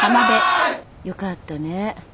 よかったね